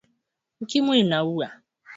ukimwi unaua